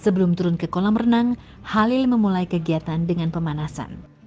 sebelum turun ke kolam renang halil memulai kegiatan dengan pemanasan